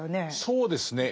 そうですね。